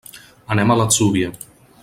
Anem a l'Atzúvia.